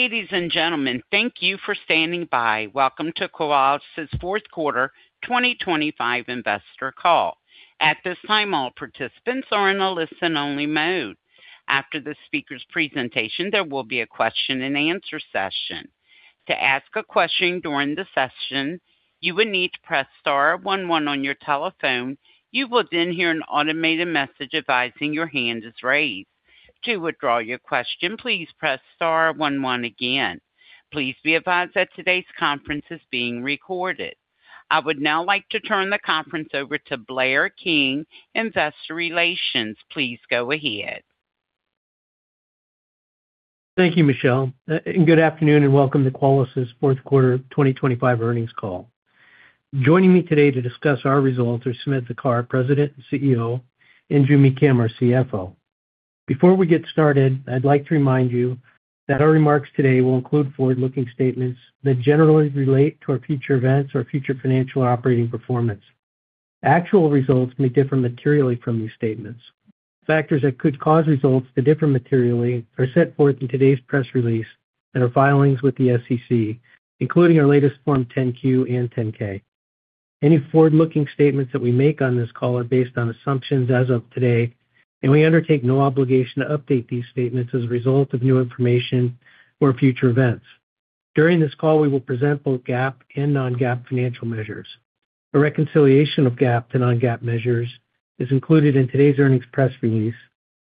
Ladies and gentlemen, thank you for standing by. Welcome to Qualys's fourth quarter 2025 investor call. At this time, all participants are in a listen-only mode. After the speaker's presentation, there will be a question-and-answer session. To ask a question during the session, you will need to press star one one on your telephone. You will then hear an automated message advising your hand is raised. To withdraw your question, please press star one one again. Please be advised that today's conference is being recorded. I would now like to turn the conference over to Blair King, Investor Relations. Please go ahead. Thank you, Michelle, and good afternoon, and welcome to Qualys's fourth quarter 2025 earnings call. Joining me today to discuss our results are Sumedh Thakar, President and CEO, and Joo Mi Kim, our CFO. Before we get started, I'd like to remind you that our remarks today will include forward-looking statements that generally relate to our future events or future financial operating performance. Actual results may differ materially from these statements. Factors that could cause results to differ materially are set forth in today's press release and our filings with the SEC, including our latest Form 10-Q and 10-K. Any forward-looking statements that we make on this call are based on assumptions as of today, and we undertake no obligation to update these statements as a result of new information or future events. During this call, we will present both GAAP and non-GAAP financial measures. A reconciliation of GAAP to non-GAAP measures is included in today's earnings press release,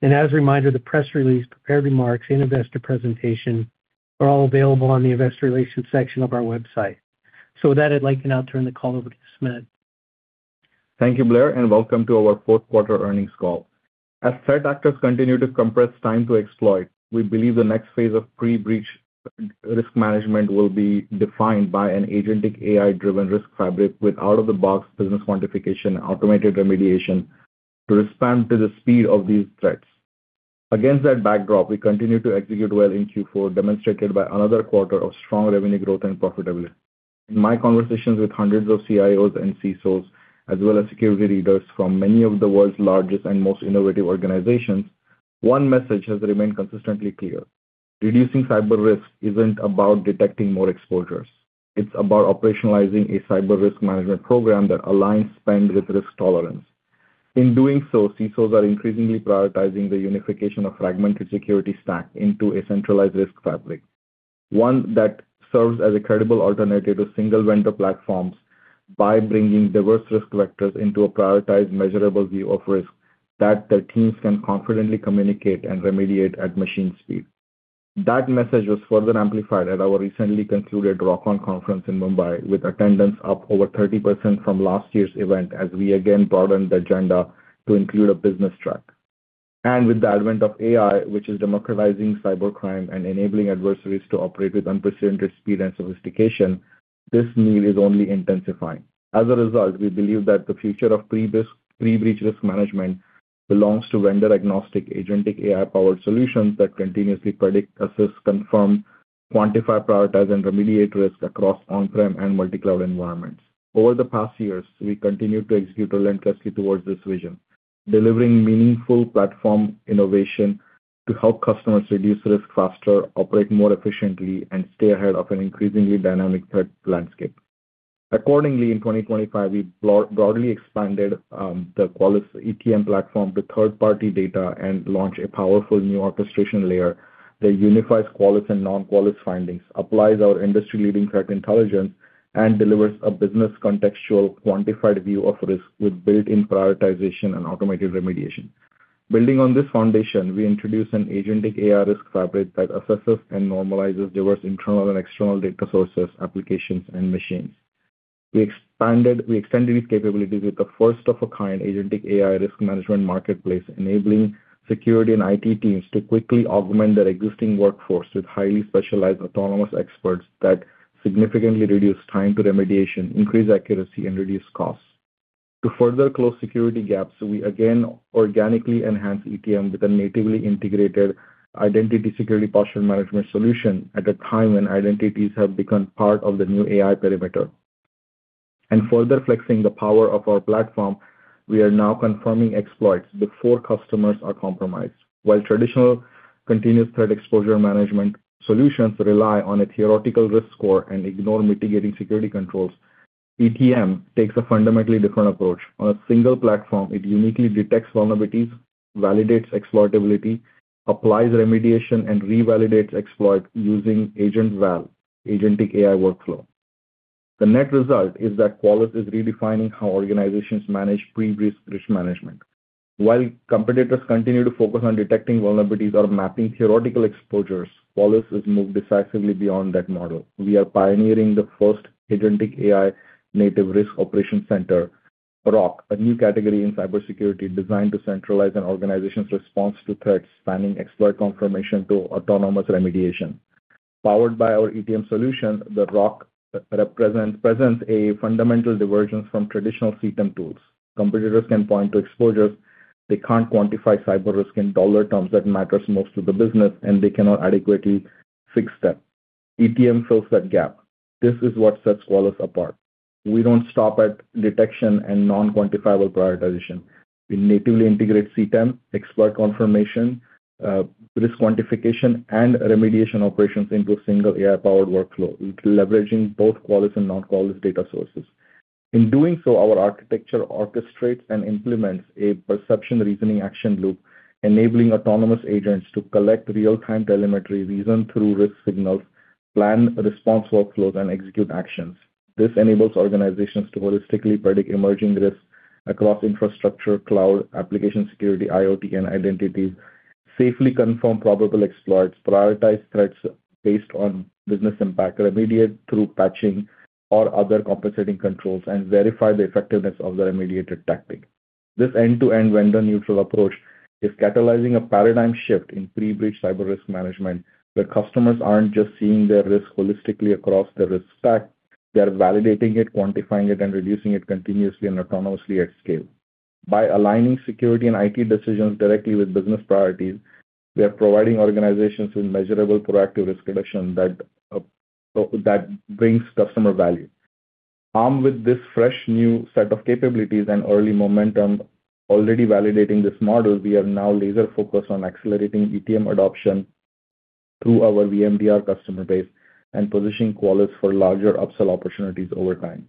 and as a reminder, the press release, prepared remarks, and investor presentation are all available on the investor relations section of our website. With that, I'd like to now turn the call over to Sumedh. Thank you, Blair, and welcome to our fourth quarter earnings call. As threat actors continue to compress time to exploit, we believe the next phase of pre-breach risk management will be defined by an agentic AI-driven risk fabric with out-of-the-box business quantification and automated remediation to respond to the speed of these threats. Against that backdrop, we continue to execute well in Q4, demonstrated by another quarter of strong revenue growth and profitability. In my conversations with hundreds of CIOs and CISOs, as well as security leaders from many of the world's largest and most innovative organizations, one message has remained consistently clear. Reducing cyber risk isn't about detecting more exposures. It's about operationalizing a cyber risk management program that aligns spend with risk tolerance. In doing so, CISOs are increasingly prioritizing the unification of fragmented security stack into a centralized risk fabric, one that serves as a credible alternative to single vendor platforms by bringing diverse risk vectors into a prioritized, measurable view of risk that their teams can confidently communicate and remediate at machine speed. That message was further amplified at our recently concluded ROCon conference in Mumbai, with attendance up over 30% from last year's event, as we again broadened the agenda to include a business track. And with the advent of AI, which is democratizing cybercrime and enabling adversaries to operate with unprecedented speed and sophistication, this need is only intensifying. As a result, we believe that the future of pre-breach risk management belongs to vendor-agnostic, agentic AI-powered solutions that continuously predict, assess, confirm, quantify, prioritize, and remediate risk across on-prem and multi-cloud environments. Over the past years, we continue to execute relentlessly towards this vision, delivering meaningful platform innovation to help customers reduce risk faster, operate more efficiently, and stay ahead of an increasingly dynamic threat landscape. Accordingly, in 2025, we broadly expanded the Qualys ETM platform to third-party data and launched a powerful new orchestration layer that unifies Qualys and non-Qualys findings, applies our industry-leading threat intelligence, and delivers a business contextual, quantified view of risk with built-in prioritization and automated remediation. Building on this foundation, we introduced an agentic AI risk fabric that assesses and normalizes diverse internal and external data sources, applications, and machines. We extended these capabilities with a first-of-its-kind agentic AI risk management marketplace, enabling security and IT teams to quickly augment their existing workforce with highly specialized autonomous experts that significantly reduce time to remediation, increase accuracy, and reduce costs. To further close security gaps, we again organically enhanced ETM with a natively integrated identity security posture management solution at a time when identities have become part of the new AI perimeter. Further flexing the power of our platform, we are now confirming exploits before customers are compromised. While traditional continuous threat exposure management solutions rely on a theoretical risk score and ignore mitigating security controls, ETM takes a fundamentally different approach. On a single platform, it uniquely detects vulnerabilities, validates exploitability, applies remediation, and revalidates exploits using Agent Val, agentic AI workflow. The net result is that Qualys is redefining how organizations manage pre-breach risk management. While competitors continue to focus on detecting vulnerabilities or mapping theoretical exposures, Qualys has moved decisively beyond that model. We are pioneering the first agentic AI-native risk operation center, ROC, a new category in cybersecurity designed to centralize an organization's response to threats, spanning exploit confirmation to autonomous remediation. Powered by our ETM solution, the ROC presents a fundamental divergence from traditional CTEM tools. Competitors can point to exposures. They can't quantify cyber risk in dollar terms that matters most to the business, and they cannot adequately fix that. ETM fills that gap. This is what sets Qualys apart. We don't stop at detection and non-quantifiable prioritization. We natively integrate CTEM, exploit confirmation, risk quantification, and remediation operations into a single AI-powered workflow, leveraging both Qualys and non-Qualys data sources. In doing so, our architecture orchestrates and implements a perception reasoning action loop, enabling autonomous agents to collect real-time telemetry, reason through risk signals, plan response workflows, and execute actions. This enables organizations to holistically predict emerging risks across infrastructure, cloud, application security, IoT, and identities, safely confirm probable exploits, prioritize threats based on business impact, remediate through patching or other compensating controls, and verify the effectiveness of the remediated tactic. This end-to-end vendor-neutral approach is catalyzing a paradigm shift in pre-breach cyber risk management, where customers aren't just seeing their risk holistically across the risk stack, they are validating it, quantifying it, and reducing it continuously and autonomously at scale. By aligning security and IT decisions directly with business priorities, we are providing organizations with measurable proactive risk reduction that brings customer value. Armed with this fresh new set of capabilities and early momentum already validating this model, we are now laser-focused on accelerating ETM adoption through our VMDR customer base and positioning Qualys for larger upsell opportunities over time.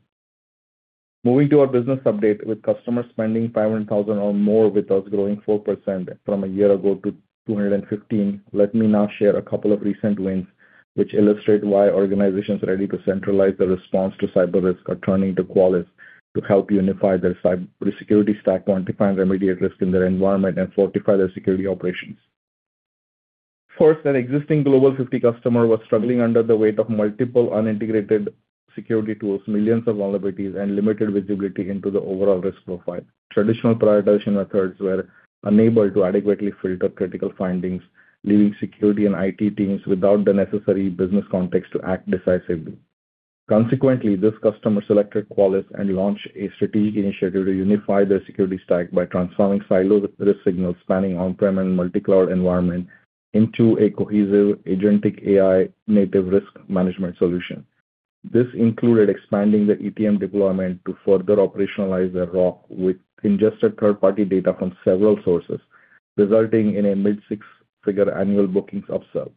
Moving to our business update, with customers spending $500,000 or more with us growing 4% from a year ago to 215, let me now share a couple of recent wins, which illustrate why organizations ready to centralize their response to cyber risk are turning to Qualys to help unify their cybersecurity stack, quantify and remediate risk in their environment, and fortify their security operations. First, an existing Global 50 customer was struggling under the weight of multiple unintegrated security tools, millions of vulnerabilities, and limited visibility into the overall risk profile. Traditional prioritization methods were unable to adequately filter critical findings, leaving security and IT teams without the necessary business context to act decisively. Consequently, this customer selected Qualys and launched a strategic initiative to unify their security stack by transforming siloed risk signals, spanning on-prem and multi-cloud environment into a cohesive agentic AI-native risk management solution. This included expanding the ETM deployment to further operationalize their ROC with ingested third-party data from several sources, resulting in a mid-six-figure annual bookings upsell.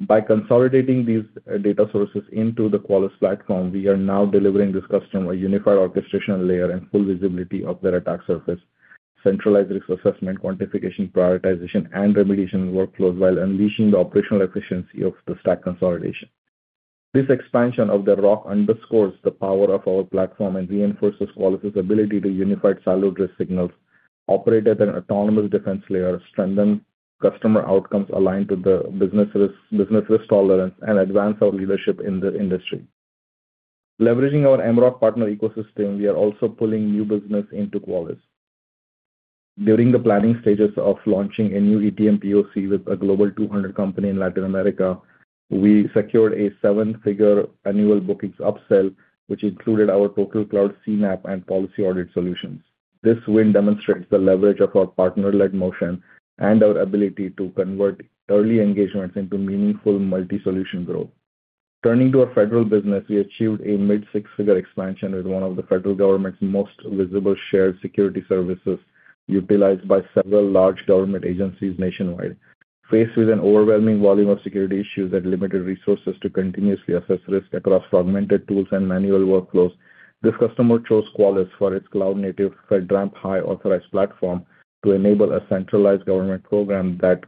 By consolidating these data sources into the Qualys platform, we are now delivering this customer a unified orchestration layer and full visibility of their attack surface, centralized risk assessment, quantification, prioritization, and remediation workflows, while unleashing the operational efficiency of the stack consolidation. This expansion of the ROC underscores the power of our platform and reinforces Qualys' ability to unify siloed risk signals, operate as an autonomous defense layer, strengthen customer outcomes aligned to the business risk, business risk tolerance, and advance our leadership in the industry. Leveraging our mROC partner ecosystem, we are also pulling new business into Qualys. During the planning stages of launching a new ETM POC with a Global 200 company in Latin America, we secured a seven-figure annual bookings upsell, which included our TotalCloud CNAPP and Policy Audit solutions. This win demonstrates the leverage of our partner-led motion and our ability to convert early engagements into meaningful multi-solution growth. Turning to our federal business, we achieved a mid-six-figure expansion with one of the federal government's most visible shared security services, utilized by several large government agencies nationwide. Faced with an overwhelming volume of security issues and limited resources to continuously assess risk across fragmented tools and manual workflows, this customer chose Qualys for its cloud-native FedRAMP High authorized platform to enable a centralized government program that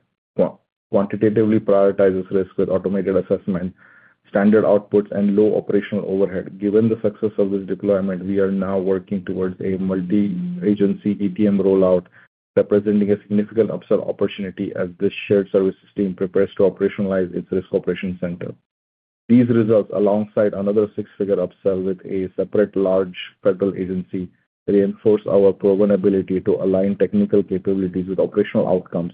quantitatively prioritizes risk with automated assessment, standard outputs, and low operational overhead. Given the success of this deployment, we are now working towards a multi-agency ETM rollout, representing a significant upsell opportunity as this shared services team prepares to operationalize its risk operations center. These results, alongside another six-figure upsell with a separate large federal agency, reinforce our proven ability to align technical capabilities with operational outcomes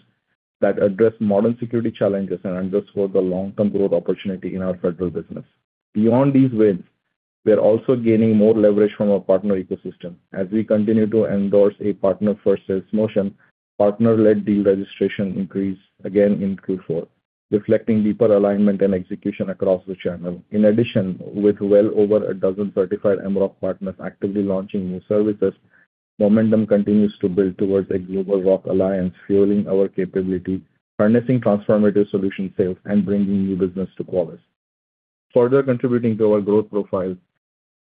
that address modern security challenges and underscore the long-term growth opportunity in our federal business. Beyond these wins, we are also gaining more leverage from our partner ecosystem. As we continue to endorse a partner-first sales motion, partner-led deal registration increased again in Q4, reflecting deeper alignment and execution across the channel. In addition, with well over a dozen certified mROC partners actively launching new services, momentum continues to build towards a global ROC alliance, fueling our capability, harnessing transformative solution sales, and bringing new business to Qualys. Further contributing to our growth profile,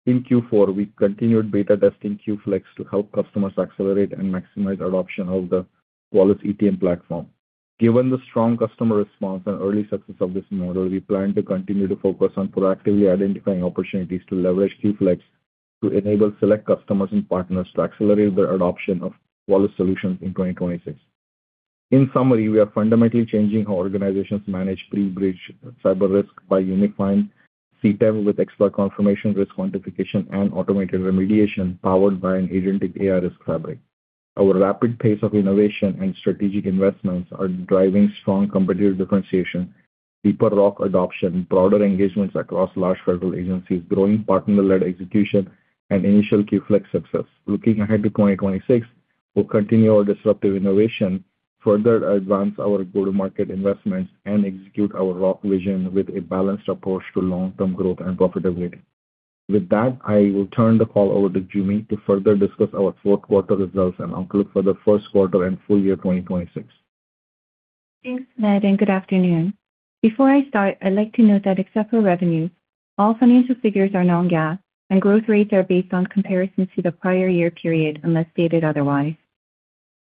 in Q4, we continued beta testing Q-Flex to help customers accelerate and maximize adoption of the Qualys ETM platform. Given the strong customer response and early success of this model, we plan to continue to focus on proactively identifying opportunities to leverage Q-Flex to enable select customers and partners to accelerate their adoption of Qualys solutions in 2026. In summary, we are fundamentally changing how organizations manage pre-breach cyber risk by unifying CTEM with expert confirmation, risk quantification, and automated remediation, powered by an agentic AI risk fabric. Our rapid pace of innovation and strategic investments are driving strong competitive differentiation, deeper ROC adoption, broader engagements across large federal agencies, growing partner-led execution, and initial Q-Flex success. Looking ahead to 2026, we'll continue our disruptive innovation further advance our go-to-market investments, and execute our ROC vision with a balanced approach to long-term growth and profitability. With that, I will turn the call over to Joo Mi to further discuss our fourth quarter results and outlook for the first quarter and full year 2026. Thanks, Sumedh, and good afternoon. Before I start, I'd like to note that except for revenue, all financial figures are non-GAAP, and growth rates are based on comparisons to the prior year period, unless stated otherwise.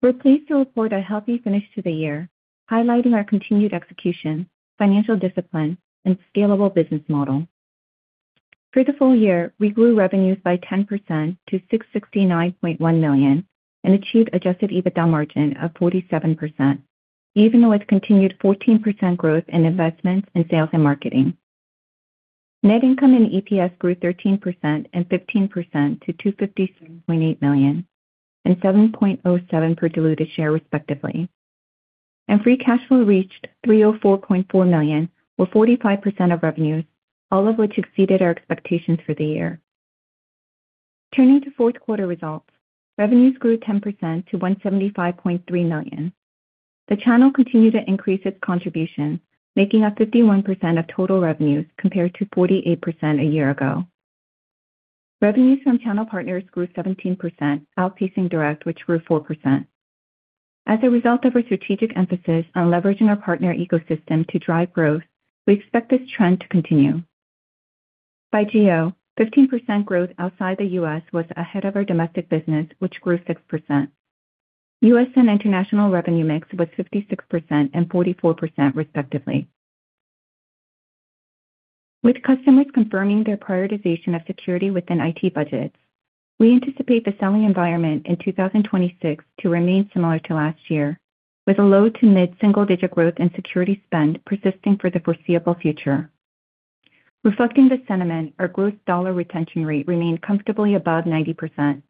We're pleased to report a healthy finish to the year, highlighting our continued execution, financial discipline, and scalable business model. For the full year, we grew revenues by 10% to $669.1 million and achieved adjusted EBITDA margin of 47%, even with continued 14% growth in investments in sales and marketing. Net income and EPS grew 13% and 15% to $257.8 million and $7.07 per diluted share, respectively. Free cash flow reached $304.4 million, or 45% of revenues, all of which exceeded our expectations for the year. Turning to fourth quarter results, revenues grew 10% to $175.3 million. The channel continued to increase its contribution, making up 51% of total revenues, compared to 48% a year ago. Revenues from channel partners grew 17%, outpacing direct, which grew 4%. As a result of our strategic emphasis on leveraging our partner ecosystem to drive growth, we expect this trend to continue. By geo, 15% growth outside the U.S. was ahead of our domestic business, which grew 6%. U.S. and international revenue mix was 56% and 44%, respectively. With customers confirming their prioritization of security within IT budgets, we anticipate the selling environment in 2026 to remain similar to last year, with a low to mid-single-digit growth in security spend persisting for the foreseeable future. Reflecting the sentiment, our gross dollar retention rate remained comfortably above 90%,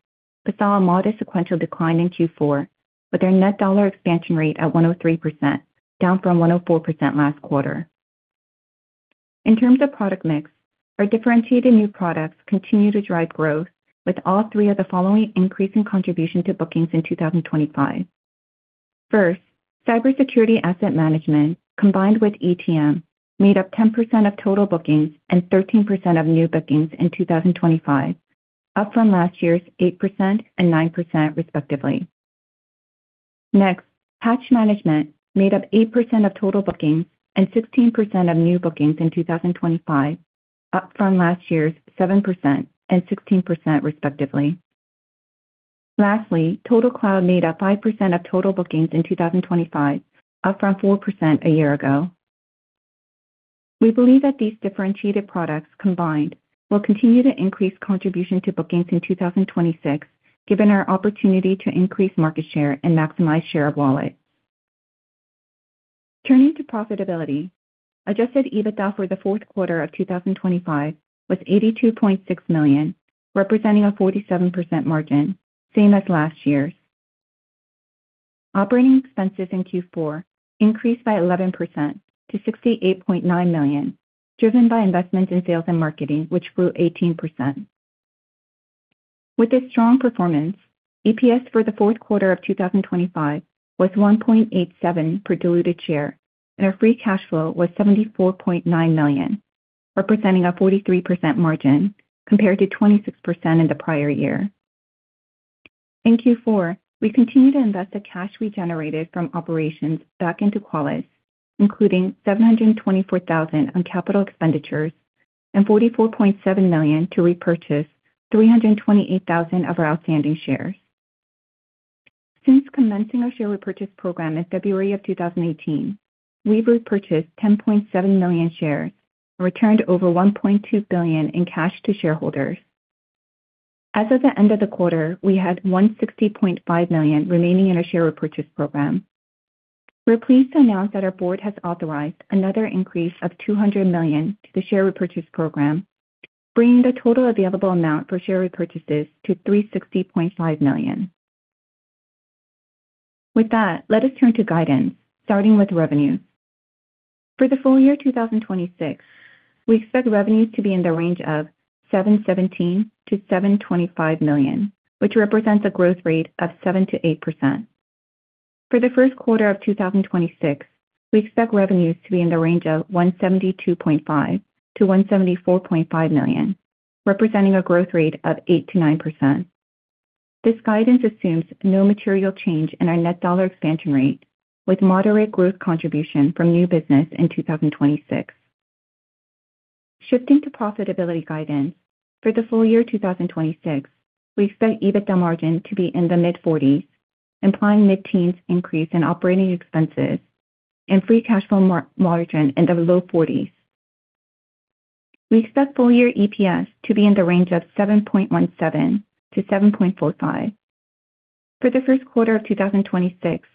but saw a modest sequential decline in Q4, with our net dollar expansion rate at 103%, down from 104% last quarter. In terms of product mix, our differentiated new products continue to drive growth, with all three of the following increasing contribution to bookings in 2025. First, CyberSecurity Asset Management, combined with ETM, made up 10% of total bookings and 13% of new bookings in 2025, up from last year's 8% and 9%, respectively. Next, Patch Management made up 8% of total bookings and 16% of new bookings in 2025, up from last year's 7% and 16%, respectively. Lastly, TotalCloud made up 5% of total bookings in 2025, up from 4% a year ago. We believe that these differentiated products combined will continue to increase contribution to bookings in 2026, given our opportunity to increase market share and maximize share of wallet. Turning to profitability, adjusted EBITDA for the fourth quarter of 2025 was $82.6 million, representing a 47% margin, same as last year's. Operating expenses in Q4 increased by 11% to $68.9 million, driven by investment in sales and marketing, which grew 18%. With this strong performance, EPS for the fourth quarter of 2025 was $1.87 per diluted share, and our free cash flow was $74.9 million, representing a 43% margin, compared to 26% in the prior year. In Q4, we continued to invest the cash we generated from operations back into Qualys, including $724,000 on capital expenditures and $44.7 million to repurchase 328,000 of our outstanding shares. Since commencing our share repurchase program in February 2018, we've repurchased 10.7 million shares and returned over $1.2 billion in cash to shareholders. As of the end of the quarter, we had $160.5 million remaining in our share repurchase program. We're pleased to announce that our board has authorized another increase of $200 million to the share repurchase program, bringing the total available amount for share repurchases to $360.5 million. With that, let us turn to guidance, starting with revenue. For the full year 2026, we expect revenues to be in the range of $717 million-$725 million, which represents a growth rate of 7%-8%. For the first quarter of 2026, we expect revenues to be in the range of $172.5 million-$174.5 million, representing a growth rate of 8%-9%. This guidance assumes no material change in our net dollar expansion rate, with moderate growth contribution from new business in 2026. Shifting to profitability guidance, for the full year 2026, we expect EBITDA margin to be in the mid-forties, implying mid-teens increase in operating expenses and free cash flow margin in the low forties. We expect full year EPS to be in the range of $7.17-$7.45. For the first quarter of 2026,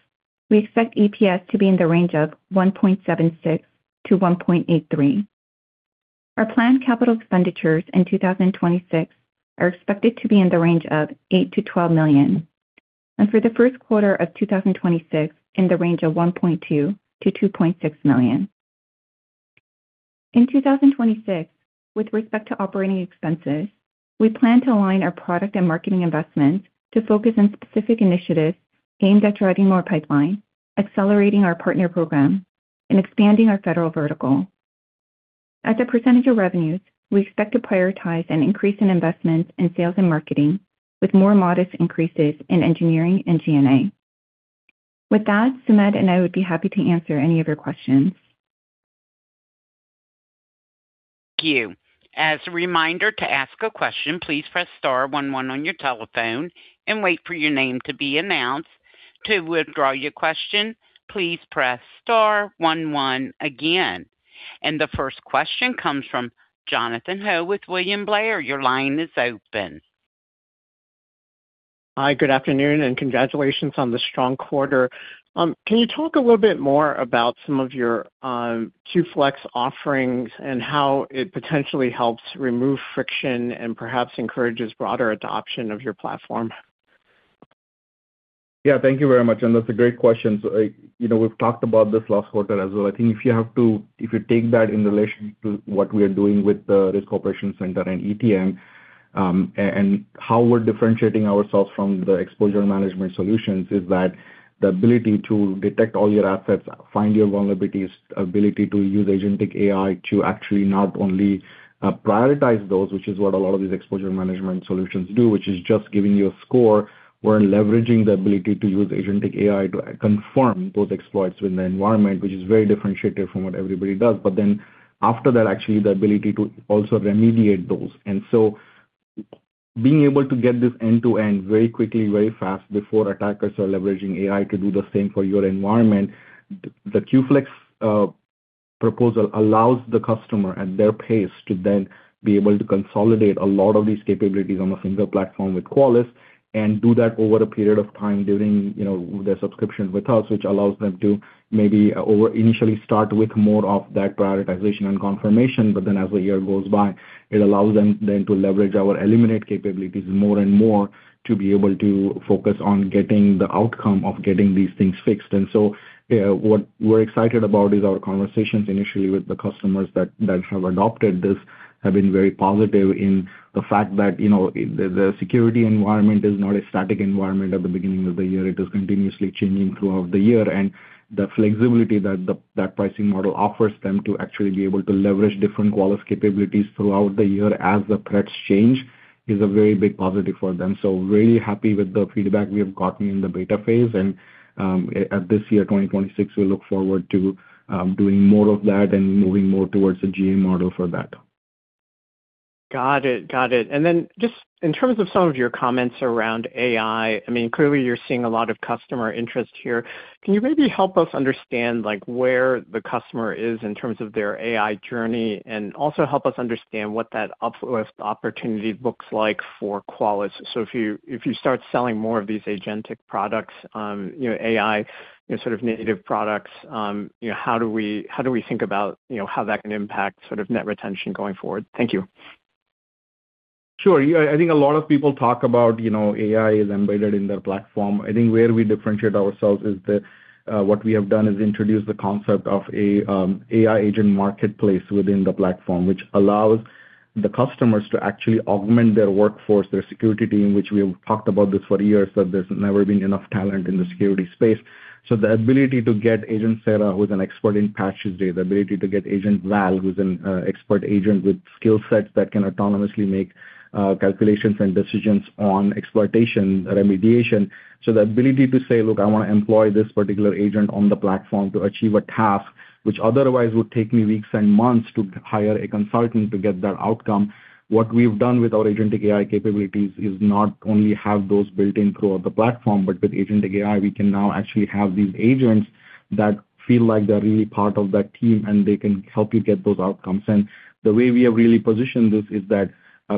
we expect EPS to be in the range of $1.76-$1.83. Our planned capital expenditures in 2026 are expected to be in the range of $8 million-$12 million, and for the first quarter of 2026, in the range of $1.2 million-$2.6 million. In 2026, with respect to operating expenses, we plan to align our product and marketing investments to focus on specific initiatives aimed at driving more pipeline, accelerating our partner program, and expanding our federal vertical. As a percentage of revenues, we expect to prioritize an increase in investments in sales and marketing, with more modest increases in engineering and G&A. With that, Sumedh and I would be happy to answer any of your questions. Thank you. As a reminder, to ask a question, please press star one one on your telephone and wait for your name to be announced. To withdraw your question, please press star one one again. The first question comes from Jonathan Ho with William Blair. Your line is open. Hi, good afternoon, and congratulations on the strong quarter. Can you talk a little bit more about some of your, Q-Flex offerings and how it potentially helps remove friction and perhaps encourages broader adoption of your platform? Yeah, thank you very much, and that's a great question. So, you know, we've talked about this last quarter as well. I think if you take that in relation to what we are doing with the Risk Operations Center and ETM, and how we're differentiating ourselves from the exposure management solutions, is that the ability to detect all your assets, find your vulnerabilities, ability to use agentic AI to actually not only prioritize those, which is what a lot of these exposure management solutions do, which is just giving you a score. We're leveraging the ability to use agentic AI to confirm those exploits in the environment, which is very differentiated from what everybody does, but then after that, actually the ability to also remediate those. And so being able to get this end-to-end very quickly, very fast, before attackers are leveraging AI to do the same for your environment, the Q-Flex proposal allows the customer at their pace to then be able to consolidate a lot of these capabilities on a single platform with Qualys and do that over a period of time during, you know, their subscription with us, which allows them to maybe over initially start with more of that prioritization and confirmation. But then as the year goes by, it allows them then to leverage our eliminate capabilities more and more to be able to focus on getting the outcome of getting these things fixed. And so, what we're excited about is our conversations initially with the customers that have adopted this, have been very positive in the fact that, you know, the security environment is not a static environment at the beginning of the year. It is continuously changing throughout the year. And the flexibility that the pricing model offers them to actually be able to leverage different Qualys capabilities throughout the year as the threats change, is a very big positive for them. So really happy with the feedback we have gotten in the beta phase. And, at this year, 2026, we look forward to doing more of that and moving more towards the GA model for that. Got it. Got it. And then just in terms of some of your comments around AI, I mean, clearly you're seeing a lot of customer interest here. Can you maybe help us understand, like, where the customer is in terms of their AI journey, and also help us understand what that uplift opportunity looks like for Qualys? So if you, if you start selling more of these agentic products, you know, AI, you know, sort of native products, you know, how do we, how do we think about, you know, how that can impact sort of net retention going forward? Thank you. Sure. Yeah, I think a lot of people talk about, you know, AI is embedded in their platform. I think where we differentiate ourselves is that what we have done is introduce the concept of a AI agent marketplace within the platform, which allows the customers to actually augment their workforce, their security team, which we have talked about this for years, that there's never been enough talent in the security space. So the ability to get Agent Sarah, who's an expert in patches, the ability to get Agent Val, who's an expert agent with skill sets that can autonomously make calculations and decisions on exploitation remediation. So the ability to say, "Look, I want to employ this particular agent on the platform to achieve a task, which otherwise would take me weeks and months to hire a consultant to get that outcome." What we've done with our agentic AI capabilities is not only have those built in throughout the platform, but with agentic AI, we can now actually have these agents that feel like they're really part of that team, and they can help you get those outcomes. And the way we have really positioned this is that,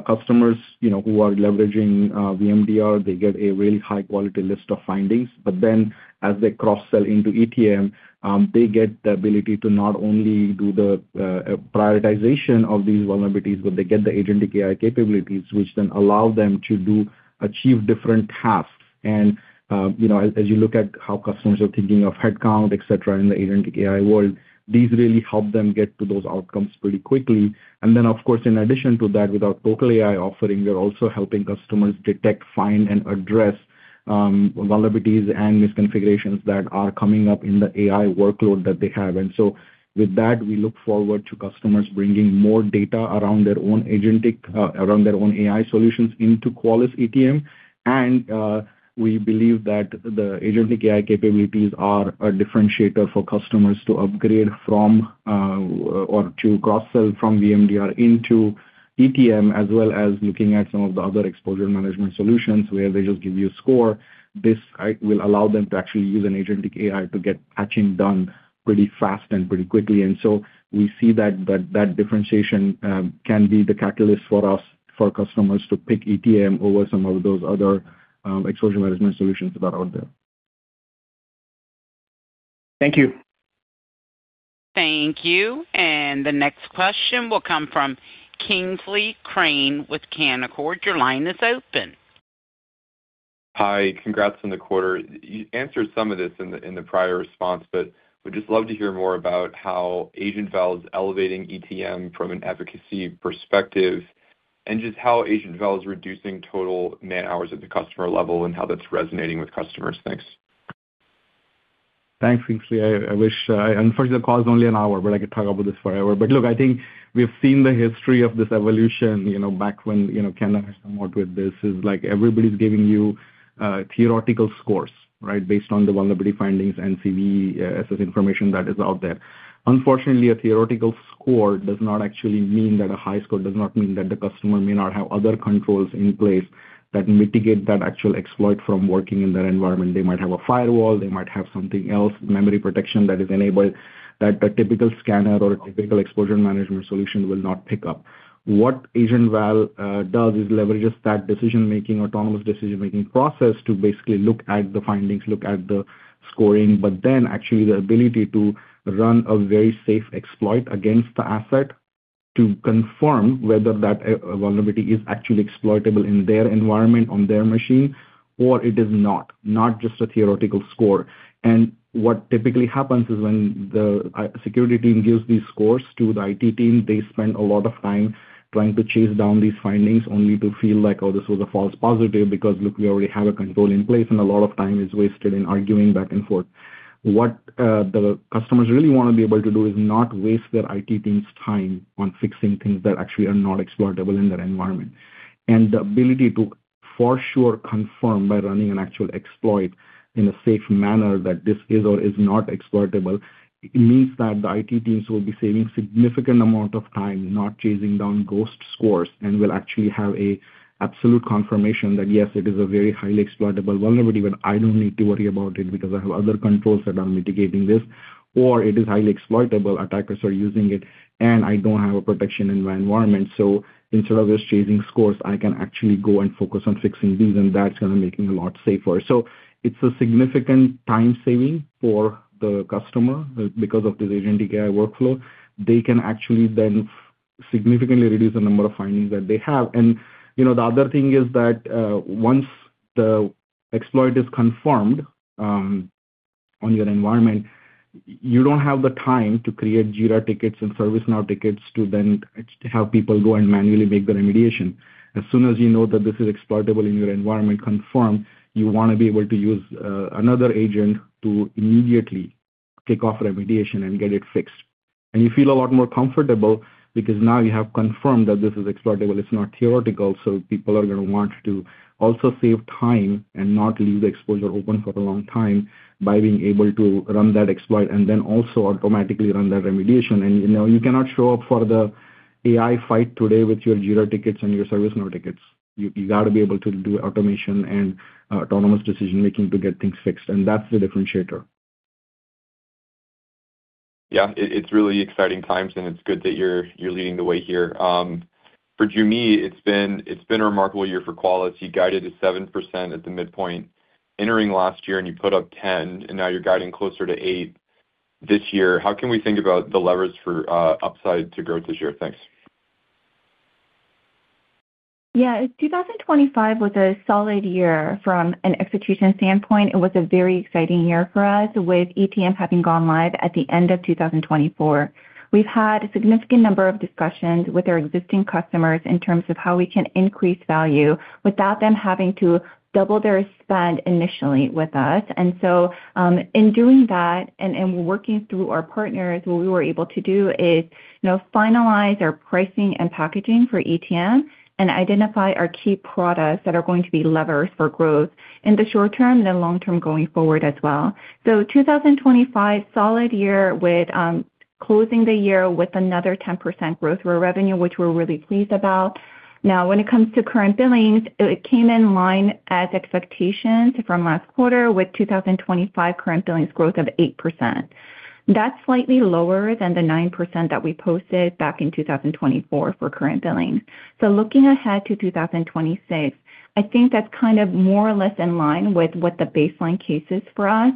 customers, you know, who are leveraging VMDR, they get a really high-quality list of findings. But then as they cross-sell into ETM, they get the ability to not only do the prioritization of these vulnerabilities, but they get the agentic AI capabilities, which then allow them to achieve different tasks. You know, as you look at how customers are thinking of headcount, et cetera, in the agentic AI world, these really help them get to those outcomes pretty quickly. And then, of course, in addition to that, with our local AI offering, we are also helping customers detect, find, and address vulnerabilities and misconfigurations that are coming up in the AI workload that they have. And so with that, we look forward to customers bringing more data around their own agentic AI solutions into Qualys ETM. And we believe that the agentic AI capabilities are a differentiator for customers to upgrade from or to cross-sell from VMDR into ETM, as well as looking at some of the other exposure management solutions where they just give you a score. This will allow them to actually use an agentic AI to get patching done pretty fast and pretty quickly. And so we see that differentiation can be the catalyst for us, for customers to pick ETM over some of those other exposure management solutions that are out there. Thank you. Thank you. The next question will come from Kingsley Crane with Canaccord. Your line is open. Hi, congrats on the quarter. You answered some of this in the prior response, but would just love to hear more about how Agent Val is elevating ETM from an efficacy perspective, and just how Agent Val is reducing total man-hours at the customer level and how that's resonating with customers. Thanks. Thanks, Kingsley. I wish, unfortunately, the call is only an hour, but I could talk about this forever. But look, I think we've seen the history of this evolution, you know, back when, you know, Kenna came up with this. It's like, everybody's giving you theoretical scores, right? Based on the vulnerability findings and CVE information that is out there. Unfortunately, a theoretical score does not actually mean that a high score does not mean that the customer may not have other controls in place that mitigate that actual exploit from working in their environment. They might have a firewall, they might have something else, memory protection that is enabled, that a typical scanner or a typical exposure management solution will not pick up. What Agent Val does is leverages that decision-making, autonomous decision-making process to basically look at the findings, look at the scoring, but then actually the ability to run a very safe exploit against the asset to confirm whether that vulnerability is actually exploitable in their environment, on their machine, or it is not, not just a theoretical score. What typically happens is when the security team gives these scores to the IT team, they spend a lot of time trying to chase down these findings, only to feel like, "Oh, this was a false positive, because look, we already have a control in place," and a lot of time is wasted in arguing back and forth. What the customers really want to be able to do is not waste their IT team's time on fixing things that actually are not exploitable in their environment. The ability to for sure confirm by running an actual exploit in a safe manner that this is or is not exploitable. It means that the IT teams will be saving significant amount of time not chasing down ghost scores and will actually have a absolute confirmation that, yes, it is a very highly exploitable vulnerability, but I don't need to worry about it because I have other controls that are mitigating this, or it is highly exploitable, attackers are using it, and I don't have a protection in my environment. So instead of just chasing scores, I can actually go and focus on fixing these, and that's gonna make me a lot safer. So it's a significant time saving for the customer. Because of this agentic AI workflow, they can actually then significantly reduce the number of findings that they have. And you know, the other thing is that, once the exploit is confirmed, on your environment, you don't have the time to create Jira tickets and ServiceNow tickets to then have people go and manually make the remediation. As soon as you know that this is exploitable in your environment, confirmed, you want to be able to use another agent to immediately kick off remediation and get it fixed. And you feel a lot more comfortable because now you have confirmed that this is exploitable, it's not theoretical, so people are gonna want to also save time and not leave the exposure open for a long time by being able to run that exploit and then also automatically run that remediation. And, you know, you cannot show up for the AI fight today with your Jira tickets and your ServiceNow tickets. You got to be able to do automation and autonomous decision-making to get things fixed, and that's the differentiator. Yeah, it, it's really exciting times, and it's good that you're, you're leading the way here. For Joo Mi, it's been, it's been a remarkable year for Qualys. You guided to 7% at the midpoint entering last year, and you put up 10%, and now you're guiding closer to 8% this year. How can we think about the levers for upside to growth this year? Thanks. Yeah, 2025 was a solid year from an execution standpoint. It was a very exciting year for us, with ETM having gone live at the end of 2024. We've had a significant number of discussions with our existing customers in terms of how we can increase value without them having to double their spend initially with us. And so, in doing that and working through our partners, what we were able to do is, you know, finalize our pricing and packaging for ETM and identify our key products that are going to be levers for growth in the short term and the long term going forward as well. So 2025, solid year with closing the year with another 10% growth for revenue, which we're really pleased about. Now, when it comes to current billings, it came in line with expectations from last quarter, with 2025 current billings growth of 8%. That's slightly lower than the 9% that we posted back in 2024 for current billing. So looking ahead to 2026, I think that's kind of more or less in line with what the baseline case is for us.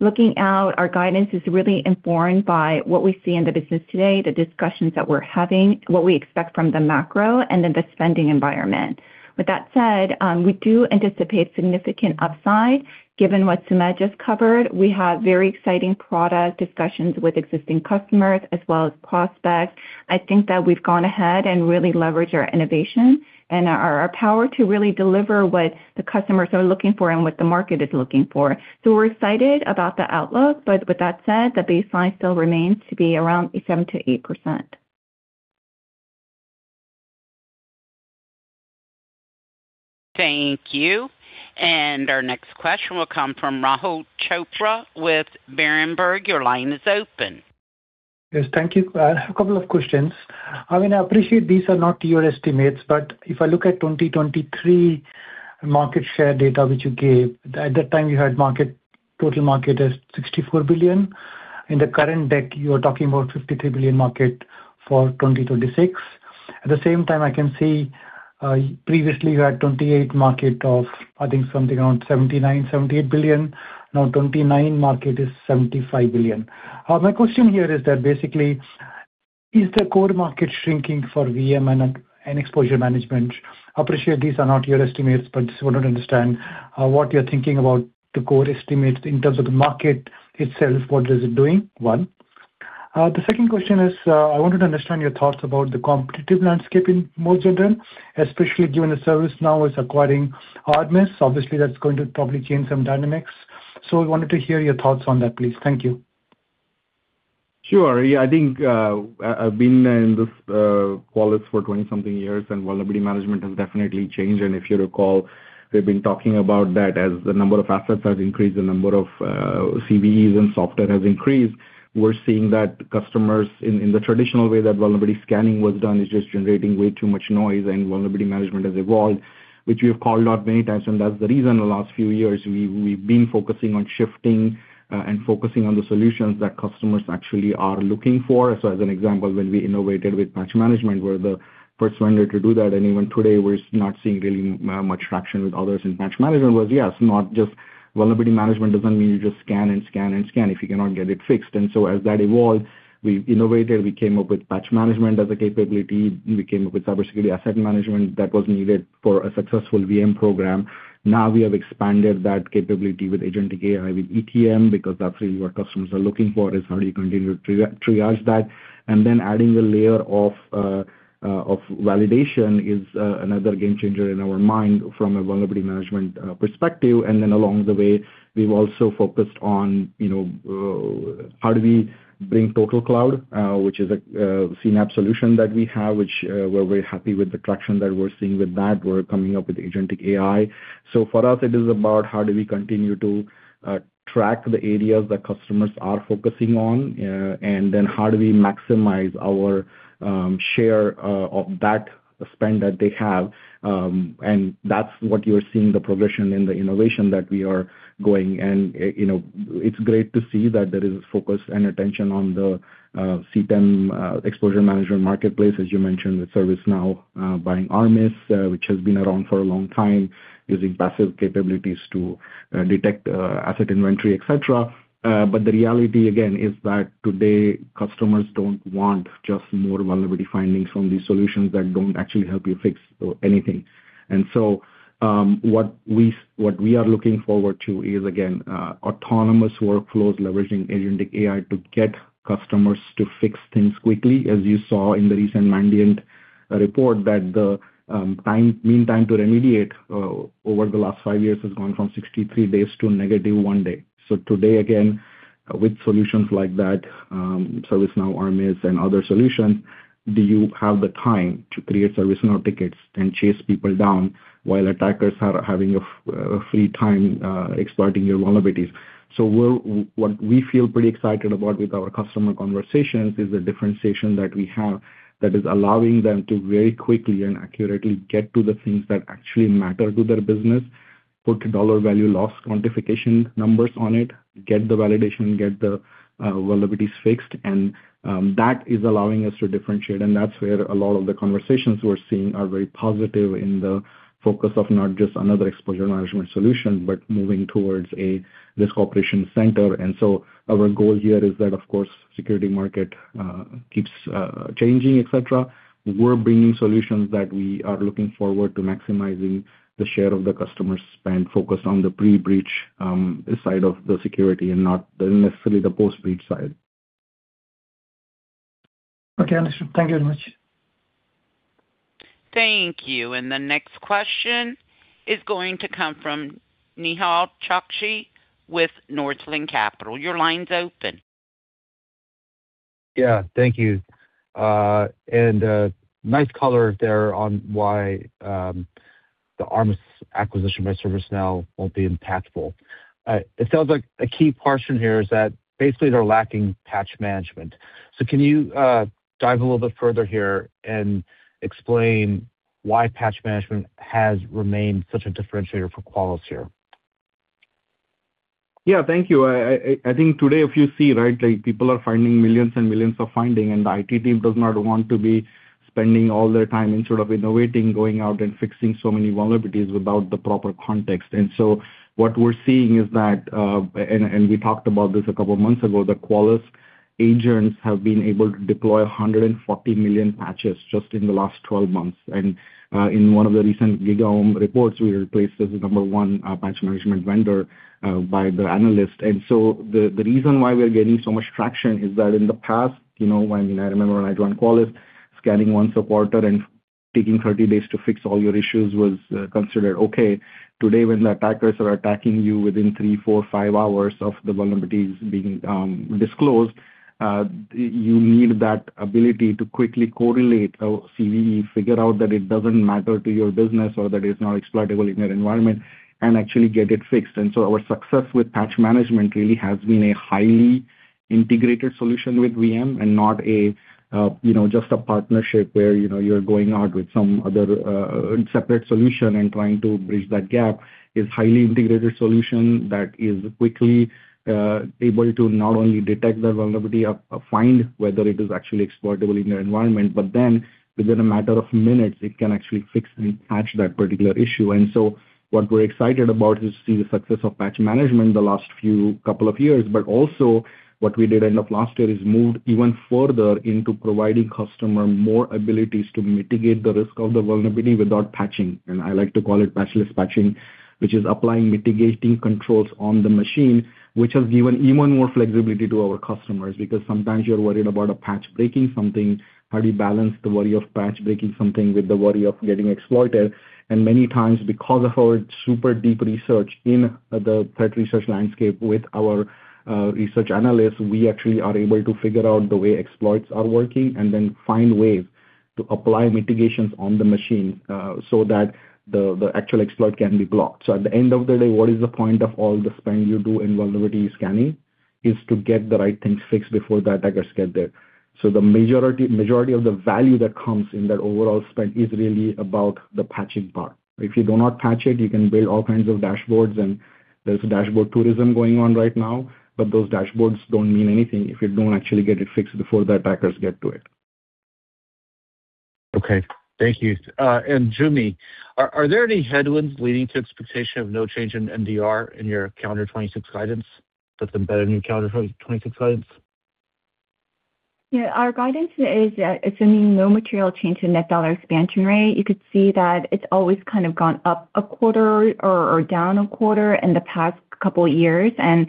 Looking out, our guidance is really informed by what we see in the business today, the discussions that we're having, what we expect from the macro and then the spending environment. With that said, we do anticipate significant upside. Given what Sumedh just covered, we have very exciting product discussions with existing customers as well as prospects. I think that we've gone ahead and really leveraged our innovation and our power to really deliver what the customers are looking for and what the market is looking for. So we're excited about the outlook, but with that said, the baseline still remains to be around 7%-8%. Thank you. Our next question will come from Rahul Chopra with Berenberg. Your line is open. Yes, thank you. I have a couple of questions. I mean, I appreciate these are not your estimates, but if I look at 2023 market share data which you gave, at that time you had market- total market as $64 billion. In the current deck, you're talking about $53 billion market for 2026. At the same time, I can see, previously you had 2028 market of, I think something around $79 billion, $78 billion. Now, 2029 market is $75 billion. My question here is that basically, is the core market shrinking for VM and, and exposure management? I appreciate these are not your estimates, but just wanted to understand, what you're thinking about the core estimates in terms of the market itself, what is it doing? One. The second question is, I wanted to understand your thoughts about the competitive landscape in more general, especially given the ServiceNow is acquiring Armis. Obviously, that's going to probably change some dynamics. So I wanted to hear your thoughts on that, please. Thank you. Sure. Yeah, I think, I've been in this Qualys for 20-something years, and vulnerability management has definitely changed. And if you recall, we've been talking about that as the number of assets has increased, the number of CVEs and software has increased. We're seeing that customers in the traditional way that vulnerability scanning was done is just generating way too much noise and vulnerability management has evolved, which we have called out many times. And that's the reason in the last few years, we've been focusing on shifting and focusing on the solutions that customers actually are looking for. So as an example, when we innovated with Patch Management, we're the first vendor to do that. And even today, we're not seeing really much traction with others in Patch Management. Yes, not just vulnerability management doesn't mean you just scan and scan and scan if you cannot get it fixed. And so as that evolved, we innovated. We came up with patch management as a capability. We came up with cybersecurity asset management that was needed for a successful VM program. Now, we have expanded that capability with agentic AI, with ETM, because that's really what customers are looking for, is how do you continue to triage that? And then adding a layer of validation is another game changer in our mind from a vulnerability management perspective. And then along the way, we've also focused on, you know, how do we bring TotalCloud, which is a CNAPP solution that we have, which we're very happy with the traction that we're seeing with that. We're coming up with agentic AI. So for us, it is about how do we continue to track the areas that customers are focusing on, and then how do we maximize our share of that spend that they have? And that's what you're seeing, the progression and the innovation that we are going. And you know, it's great to see that there is a focus and attention on the CTEM exposure management marketplace. As you mentioned, with ServiceNow buying Armis, which has been around for a long time, using passive capabilities to detect asset inventory, et cetera. But the reality again is that today, customers don't want just more vulnerability findings from these solutions that don't actually help you fix anything. And so, what we are looking forward to is, again, autonomous workflows leveraging agentic AI to get customers to fix things quickly, as you saw in the recent Mandiant report, that the time, mean time to remediate, over the last five years has gone from 63 days to -1 day. So today, again, with solutions like that, ServiceNow, Armis, and other solution, do you have the time to create ServiceNow tickets and chase people down while attackers are having a free time, exploiting your vulnerabilities? So, well, what we feel pretty excited about with our customer conversations is the differentiation that we have that is allowing them to very quickly and accurately get to the things that actually matter to their business, put dollar value loss quantification numbers on it, get the validation, get the vulnerabilities fixed. And that is allowing us to differentiate, and that's where a lot of the conversations we're seeing are very positive in the focus of not just another exposure management solution, but moving towards this cooperation center. And so our goal here is that, of course, security market keeps changing, et cetera. We're bringing solutions that we are looking forward to maximizing the share of the customer spend, focused on the pre-breach side of the security and not necessarily the post-breach side. Okay, understood. Thank you very much. Thank you. And the next question is going to come from Nehal Chokshi with Northland Capital. Your line's open. Yeah, thank you. And nice color there on why the Armis acquisition by ServiceNow won't be impactful. It sounds like a key portion here is that basically they're lacking patch management. So can you dive a little bit further here and explain why patch management has remained such a differentiator for Qualys here? Yeah, thank you. I think today, if you see, right, like, people are finding millions and millions of findings, and the IT team does not want to be spending all their time in sort of investigating, going out and fixing so many vulnerabilities without the proper context. And so what we're seeing is that, and we talked about this a couple of months ago, that Qualys agents have been able to deploy 140 million patches just in the last 12 months. And, in one of the recent GigaOm reports, we were placed as the number one patch management vendor by the analyst. The reason why we are getting so much traction is that in the past, you know, when I remember when I joined Qualys, scanning once a quarter and taking 30 days to fix all your issues was considered okay. Today, when the attackers are attacking you within three to five hours of the vulnerabilities being disclosed, you need that ability to quickly correlate a CVE, figure out that it doesn't matter to your business or that it's not exploitable in your environment, and actually get it fixed. Our success with patch management really has been a highly integrated solution with VM and not a, you know, just a partnership where, you know, you're going out with some other separate solution and trying to bridge that gap. It's a highly integrated solution that is quickly able to not only detect the vulnerability and find whether it is actually exploitable in your environment, but then within a matter of minutes, it can actually fix and patch that particular issue. And so what we're excited about is to see the success of Patch Management in the last few couple of years, but also what we did end of last year, is moved even further into providing customers more abilities to mitigate the risk of the vulnerability without patching. And I like to call it patchless patching, which is applying mitigating controls on the machine, which has given even more flexibility to our customers. Because sometimes you're worried about a patch breaking something, how do you balance the worry of patch breaking something with the worry of getting exploited? And many times, because of our super deep research in the threat research landscape with our research analysts, we actually are able to figure out the way exploits are working and then find ways to apply mitigations on the machine, so that the actual exploit can be blocked. So at the end of the day, what is the point of all the spending you do in vulnerability scanning? Is to get the right things fixed before the attackers get there. So the majority of the value that comes in that overall spend is really about the patching part. If you do not patch it, you can build all kinds of dashboards, and there's dashboard tourism going on right now, but those dashboards don't mean anything if you don't actually get it fixed before the attackers get to it. Okay, thank you. Joo Mi, are there any headwinds leading to expectation of no change in NDR in your Q2 2026 guidance, that's embedded in Q2 2026 guidance? Yeah, our guidance is assuming no material change in net dollar expansion rate. You could see that it's always kind of gone up a quarter or down a quarter in the past couple of years. And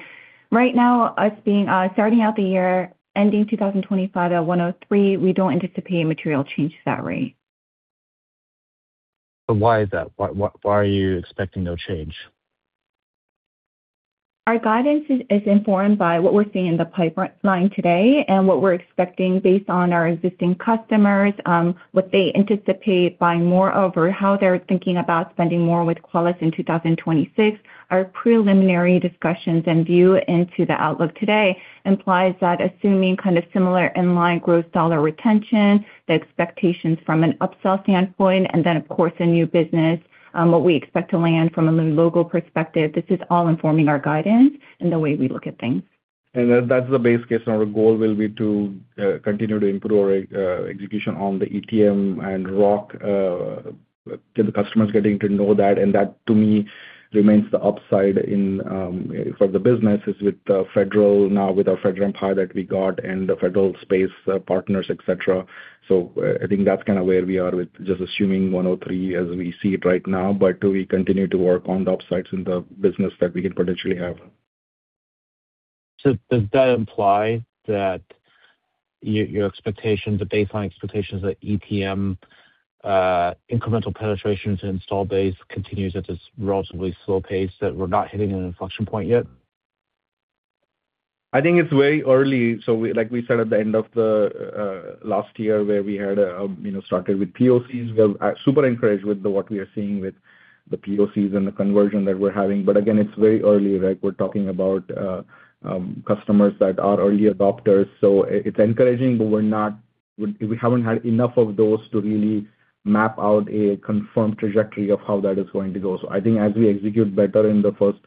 right now, us being, starting out the year, ending 2025 at 103, we don't anticipate a material change to that rate. Why is that? Why are you expecting no change? Our guidance is informed by what we're seeing in the pipeline today and what we're expecting based on our existing customers, what they anticipate buying more over how they're thinking about spending more with Qualys in 2026. Our preliminary discussions and view into the outlook today implies that assuming kind of similar in-line growth dollar retention, the expectations from an upsell standpoint, and then, of course, a new business, what we expect to land from a new logo perspective, this is all informing our guidance and the way we look at things. That, that's the base case, and our goal will be to continue to improve our execution on the ETM and ROC, get the customers getting to know that, and that, to me, remains the upside in for the business is with federal, now with our federal impact that we got and the federal space, partners, et cetera. So I think that's kind of where we are with just assuming 103 as we see it right now, but we continue to work on the upsides in the business that we could potentially have. So does that imply that your expectations, the baseline expectations of ETM, incremental penetration to install base continues at this relatively slow pace, that we're not hitting an inflection point yet? I think it's very early. So, like we said, at the end of the last year, where we had, you know, started with POCs, we are super encouraged with the what we are seeing with the POCs and the conversion that we're having. But again, it's very early, right? We're talking about customers that are early adopters. So it's encouraging, but we're not, we, we haven't had enough of those to really map out a confirmed trajectory of how that is going to go. So I think as we execute better in the first,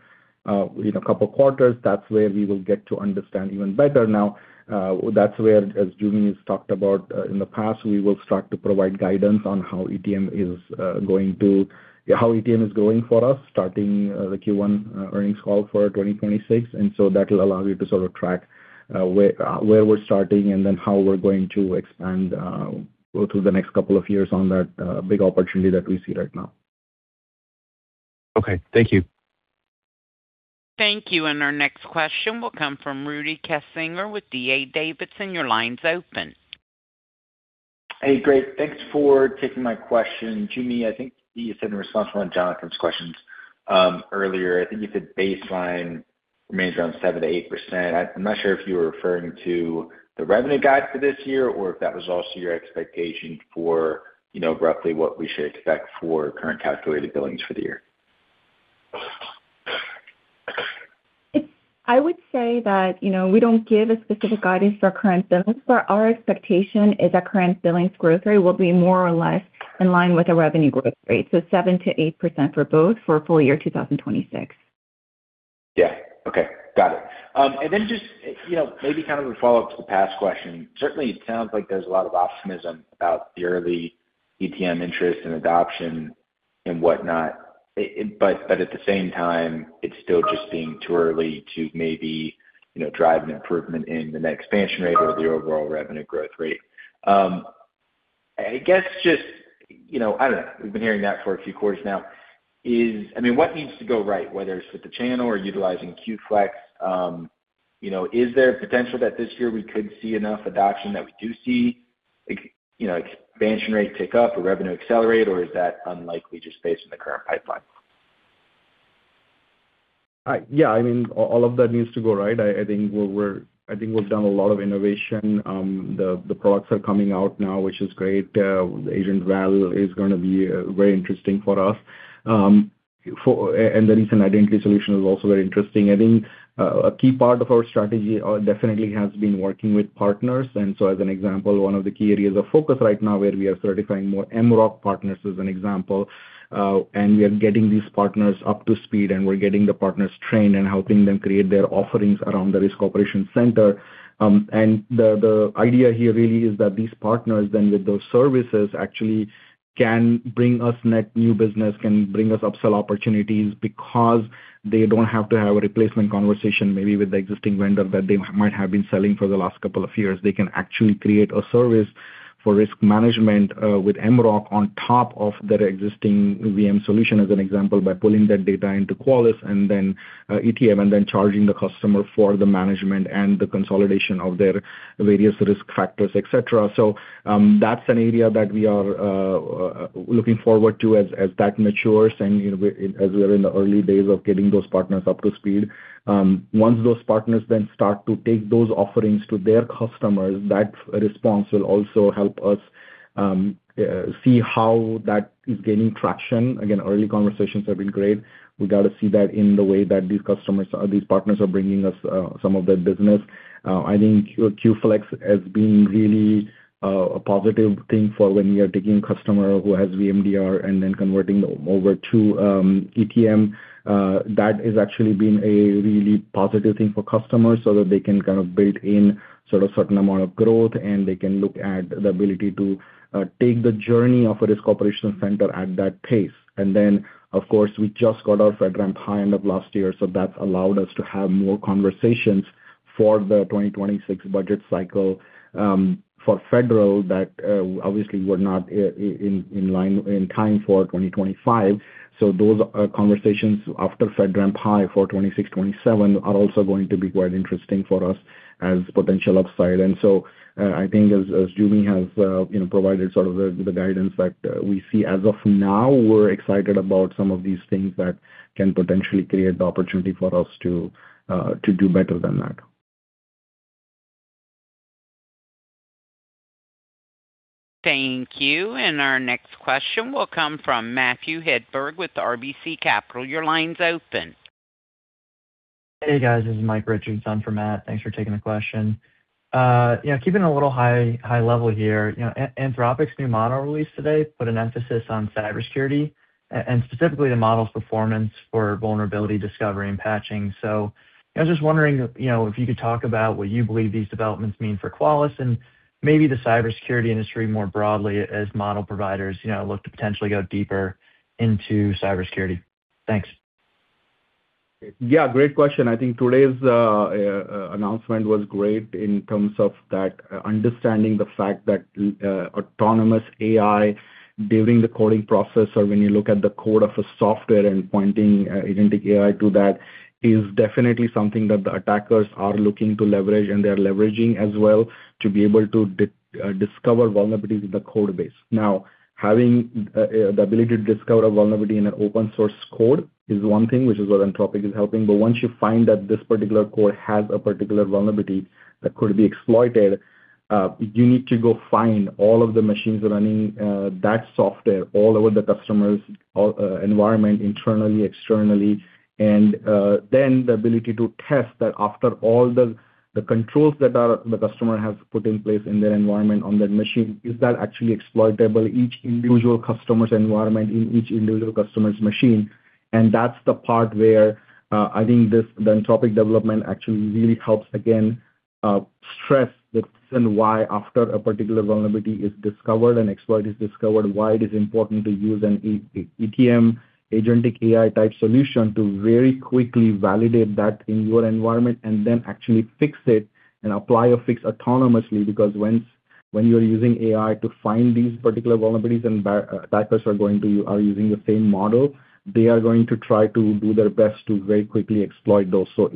you know, couple quarters, that's where we will get to understand even better now. That's where, as Joo Mi has talked about in the past, we will start to provide guidance on how ETM is going to. How ETM is going for us, starting the Q1 earnings call for 2026. And so that will allow you to sort of track where where we're starting and then how we're going to expand through the next couple of years on that big opportunity that we see right now. Okay, thank you. Thank you. And our next question will come from Rudy Kessinger with D.A. Davidson. Your line's open. Hey, great. Thanks for taking my question. Joo Mi, I think you said in response to one of Jonathan's questions, earlier, I think you said baseline remains around 7%-8%. I'm not sure if you were referring to the revenue guide for this year or if that was also your expectation for, you know, roughly what we should expect for current calculated billings for the year. I would say that, you know, we don't give a specific guidance for current billings, but our expectation is that current billings growth rate will be more or less in line with the revenue growth rate, so 7%-8% for both for full year 2026. Yeah. Okay, got it. And then just, you know, maybe kind of a follow-up to the last question. Certainly, it sounds like there's a lot of optimism about the early ETM interest and adoption and whatnot. But at the same time, it's still just too early to maybe, you know, drive an improvement in the net expansion rate or the overall revenue growth rate. I guess just, you know, I don't know, we've been hearing that for a few quarters now. I mean, what needs to go right, whether it's with the channel or utilizing Q-Flex, you know, is there a potential that this year we could see enough adoption, that we do see, you know, expansion rate tick up or revenue accelerate, or is that unlikely just based on the current pipeline? Yeah, I mean, all of that needs to go right. I think we've done a lot of innovation. The products are coming out now, which is great. The Agent Val is gonna be very interesting for us. And the recent identity solution is also very interesting. I think a key part of our strategy definitely has been working with partners. And so, as an example, one of the key areas of focus right now, where we are certifying more mROC partners, as an example, and we are getting these partners up to speed, and we're getting the partners trained and helping them create their offerings around the Risk Operations Center. And the idea here really is that these partners, then with those services, actually can bring us net new business, can bring us upsell opportunities because they don't have to have a replacement conversation maybe with the existing vendor that they might have been selling for the last couple of years. They can actually create a service for risk management with mROC on top of their existing VM solution, as an example, by pulling that data into Qualys and then ETM, and then charging the customer for the management and the consolidation of their various risk factors, et cetera. So that's an area that we are looking forward to as that matures and, you know, as we are in the early days of getting those partners up to speed. Once those partners then start to take those offerings to their customers, that response will also help us see how that is gaining traction. Again, early conversations have been great. We got to see that in the way that these customers or these partners are bringing us some of their business. I think Q-Flex as being really a positive thing for when we are taking a customer who has VMDR and then converting them over to ETM. That has actually been a really positive thing for customers so that they can kind of build in sort of certain amount of growth, and they can look at the ability to take the journey of a Risk Operations Center at that pace. And then, of course, we just got off FedRAMP High end of last year, so that's allowed us to have more conversations for the 2026 budget cycle. For federal, that obviously we're not in time for 2025, so those conversations after FedRAMP High for 2026, 2027 are also going to be quite interesting for us as potential upside. And so, I think as Joo Mi has you know, provided sort of the guidance that we see. As of now, we're excited about some of these things that can potentially create the opportunity for us to do better than that. Thank you. And our next question will come from Matthew Hedberg with RBC Capital. Your line's open. Hey, guys. This is Mike Richardson for Matt. Thanks for taking the question. You know, keeping it a little high, high level here, you know, Anthropic's new model release today put an emphasis on cybersecurity and specifically the model's performance for vulnerability discovery and patching. So I was just wondering, you know, if you could talk about what you believe these developments mean for Qualys and maybe the cybersecurity industry more broadly as model providers, you know, look to potentially go deeper into cybersecurity. Thanks. Yeah, great question. I think today's announcement was great in terms of that, understanding the fact that, autonomous AI during the coding process or when you look at the code of a software and pointing, agentic AI to that, is definitely something that the attackers are looking to leverage, and they're leveraging as well, to be able to discover vulnerabilities in the code base. Now, having, the ability to discover a vulnerability in an open source code is one thing, which is where Anthropic is helping. But once you find that this particular code has a particular vulnerability that could be exploited, you need to go find all of the machines running, that software all over the customer's, environment, internally, externally. And, then the ability to test that after all the, the controls that the customer has put in place in their environment on that machine, is that actually exploitable, each individual customer's environment in each individual customer's machine? And that's the part where, I think this, the Anthropic development actually really helps, again, stress the reason why after a particular vulnerability is discovered, an exploit is discovered, why it is important to use an ETM agentic AI-type solution to very quickly validate that in your environment and then actually fix it and apply a fix autonomously. Because when you're using AI to find these particular vulnerabilities and bad attackers are using the same model, they are going to try to do their best to very quickly exploit those. What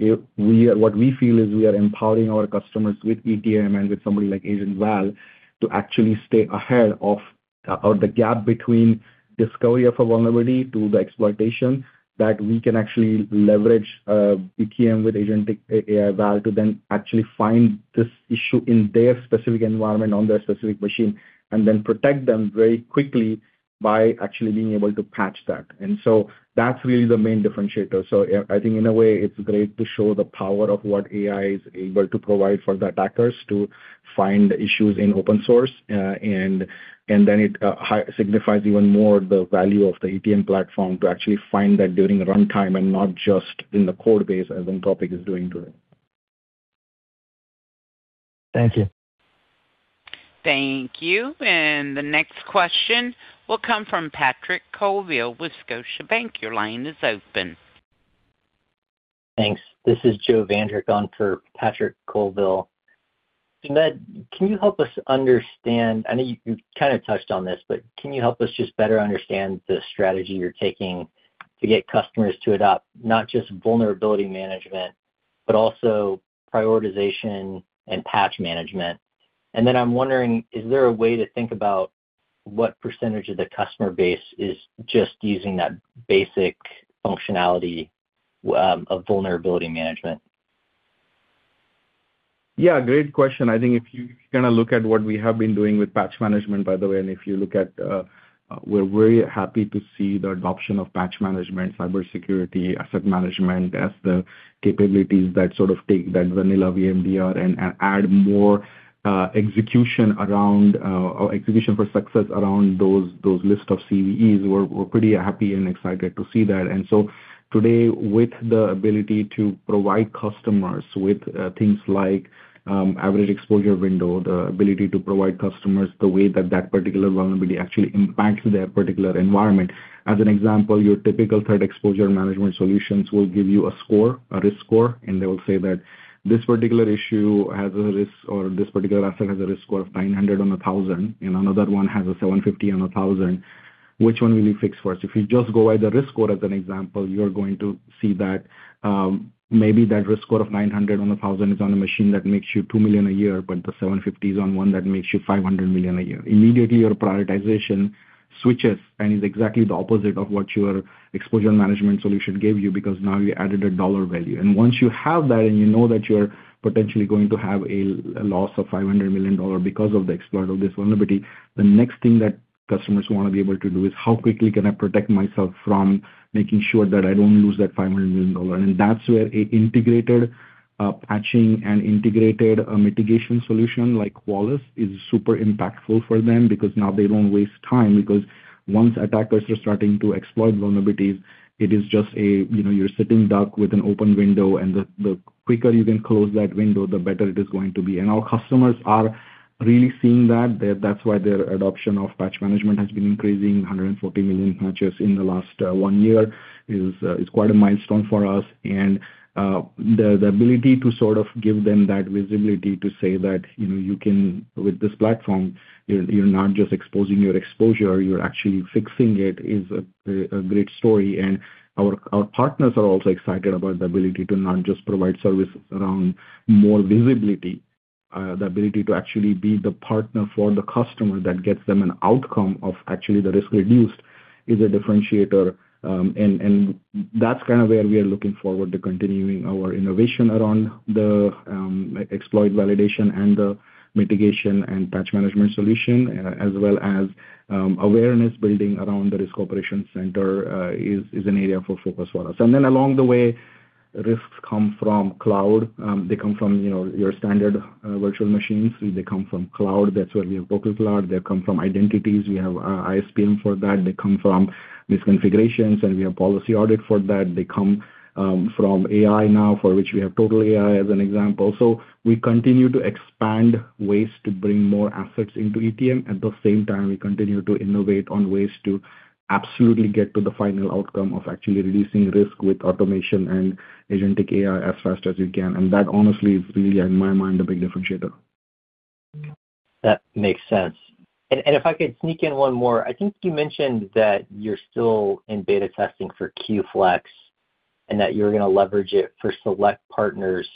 we feel is we are empowering our customers with ETM and with somebody like Agent Val, to actually stay ahead of the gap between discovery of a vulnerability to the exploitation, that we can actually leverage ETM with agentic AI Val to then actually find this issue in their specific environment, on their specific machine, and then protect them very quickly by actually being able to patch that. And so that's really the main differentiator. So I think in a way, it's great to show the power of what AI is able to provide for the attackers to find issues in open source. And then it highlights even more the value of the ETM platform to actually find that during runtime and not just in the code base, as Anthropic is doing today. Thank you. Thank you. The next question will come from Patrick Colville with Scotiabank. Your line is open. Thanks. This is Joe Vandrick on for Patrick Colville. Sumedh, can you help us understand, I know you, you kind of touched on this, but can you help us just better understand the strategy you're taking to get customers to adopt not just vulnerability management, but also prioritization and patch management? And then I'm wondering, is there a way to think about what percentage of the customer base is just using that basic functionality of vulnerability management? Yeah, great question. I think if you kind of look at what we have been doing with patch management, by the way, and if you look at, we're very happy to see the adoption of patch management, cybersecurity asset management as the capabilities that sort of take that vanilla VMDR and add more execution around or execution for success around those list of CVEs. We're pretty happy and excited to see that. And so today, with the ability to provide customers with things like average exposure window, the ability to provide customers the way that that particular vulnerability actually impacts their particular environment. As an example, your typical threat exposure management solutions will give you a score, a risk score, and they will say that this particular issue has a risk, or this particular asset has a risk score of 900 on a 1,000, and another one has a 750 on a 1,000, which one will you fix first? If you just go by the risk score as an example, you are going to see that, maybe that risk score of 900 on a 1,000 is on a machine that makes you $2 million a year, but the 750 is on one that makes you $500 million a year. Immediately, your prioritization switches and is exactly the opposite of what your exposure management solution gave you, because now you added a dollar value. Once you have that and you know that you're potentially going to have a loss of $500 million because of the exploit of this vulnerability, the next thing that customers wanna be able to do is, how quickly can I protect myself from making sure that I don't lose that $500 million? That's where a integrated patching and integrated mitigation solution like Qualys is super impactful for them, because now they don't waste time. Because once attackers are starting to exploit vulnerabilities, it is just a, you know, you're a sitting duck with an open window, and the quicker you can close that window, the better it is going to be. Our customers are really seeing that. That's why their adoption of Patch Management has been increasing. 140 million patches in the last one year is quite a milestone for us. And the ability to sort of give them that visibility, to say that, you know, you can, with this platform, you're not just exposing your exposure, you're actually fixing it, is a great story. And our partners are also excited about the ability to not just provide services around more visibility, the ability to actually be the partner for the customer that gets them an outcome of actually the risk reduced, is a differentiator. And that's kind of where we are looking forward to continuing our innovation around the exploit validation and the mitigation and patch management solution, as well as awareness building around the risk operations center, is an area of focus for us. And then along the way, risks come from cloud. They come from, you know, your standard virtual machines. They come from cloud. That's where we have TotalCloud. They come from identities. We have ISPM for that. They come from misconfigurations, and we have Policy Audit for that. They come from AI now, for which we have TotalAI as an example. So we continue to expand ways to bring more assets into ETM. At the same time, we continue to innovate on ways to absolutely get to the final outcome of actually reducing risk with automation and agentic AI as fast as you can. And that, honestly, is really, in my mind, a big differentiator. That makes sense. If I could sneak in one more. I think you mentioned that you're still in beta testing for Q-Flex, and that you're gonna leverage it for select partners.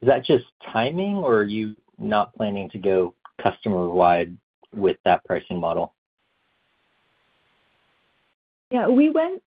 Is that just timing, or are you not planning to go customer-wide with that pricing model? Yeah, we went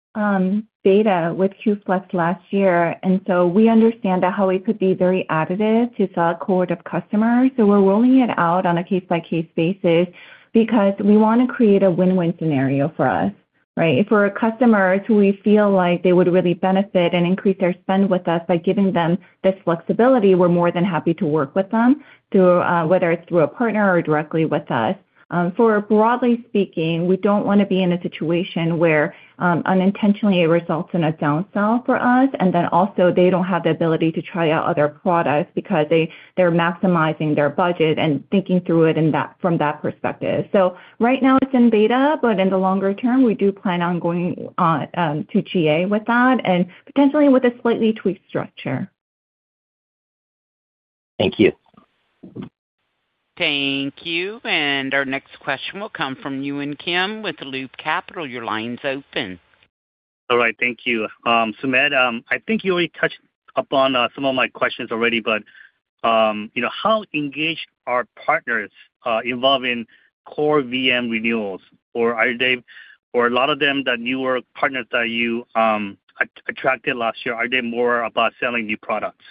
beta with Q-Flex last year, and so we understand that how it could be very additive to a cohort of customers. So we're rolling it out on a case-by-case basis because we wanna create a win-win scenario for us, right? For our customers who we feel like they would really benefit and increase their spend with us by giving them this flexibility, we're more than happy to work with them through whether it's through a partner or directly with us. For broadly speaking, we don't wanna be in a situation where unintentionally it results in a down sell for us, and then also they don't have the ability to try out other products because they're maximizing their budget and thinking through it in that from that perspective. So right now it's in beta, but in the longer term, we do plan on going on to GA with that and potentially with a slightly tweaked structure. Thank you. Thank you. Our next question will come from Yun Kim with Loop Capital. Your line's open. All right. Thank you. Sumedh, I think you already touched upon some of my questions already, but you know, how engaged are partners involved in core VM renewals? Or are they, or a lot of them, the newer partners that you attracted last year, are they more about selling new products?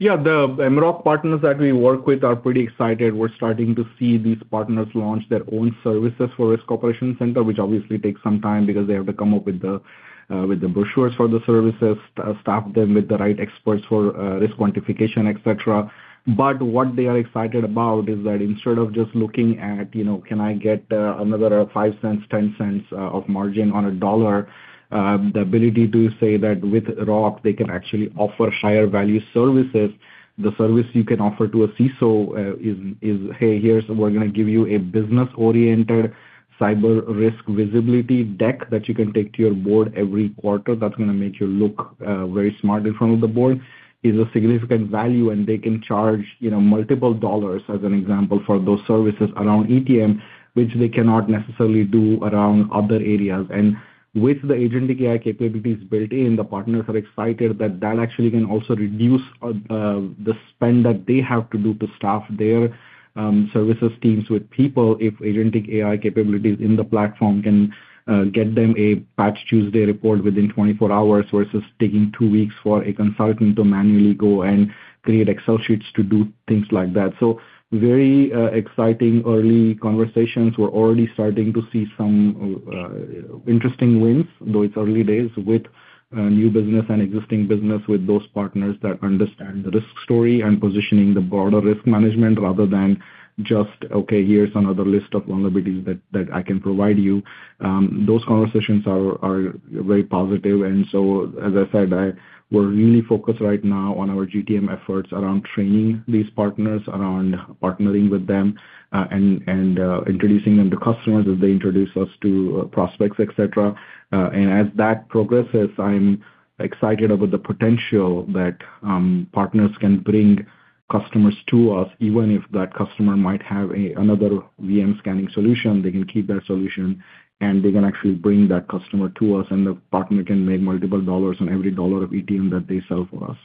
Yeah, the mROC partners that we work with are pretty excited. We're starting to see these partners launch their own services for Risk Operations Center, which obviously takes some time because they have to come up with the brochures for the services, staff them with the right experts for risk quantification, et cetera. But what they are excited about is that instead of just looking at, you know, can I get another 5 cents, 10 cents of margin on a dollar, the ability to say that with ROC, they can actually offer higher value services. The service you can offer to a CISO is, "Hey, we're gonna give you a business-oriented cyber risk visibility deck that you can take to your board every quarter. That's gonna make you look very smart in front of the board," is a significant value, and they can charge, you know, multiple dollars, as an example, for those services around ETM, which they cannot necessarily do around other areas. And with the agentic AI capabilities built in, the partners are excited that that actually can also reduce the spend that they have to do to staff their services teams with people, if agentic AI capabilities in the platform can get them a Patch Tuesday report within 24 hours versus taking two weeks for a consultant to manually go and create Excel sheets to do things like that. So very exciting early conversations. We're already starting to see some interesting wins, though it's early days, with new business and existing business with those partners that understand the risk story and positioning the broader risk management rather than just, "Okay, here's another list of vulnerabilities that I can provide you." Those conversations are very positive. And so as I said, we're really focused right now on our GTM efforts around training these partners, around partnering with them, and introducing them to customers as they introduce us to prospects, et cetera. And as that progresses, I'm excited about the potential that partners can bring customers to us, even if that customer might have another VM scanning solution, they can keep that solution, and they can actually bring that customer to us, and the partner can make multiple dollars on every dollar of ETM that they sell for us.